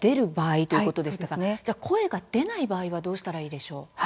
声が出ない場合はどうしたらいいでしょうか？